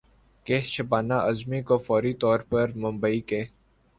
کہ شبانہ اعظمی کو فوری طور پر ممبئی کے